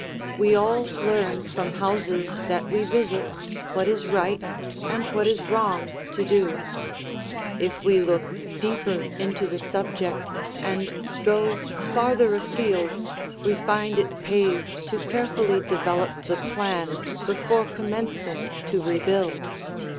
We all learn from houses that we visit what is right and what is wrong to do. If we look deeper into the subject and go farther afield, we find it pays to carefully develop the plan before commencing to rebuild.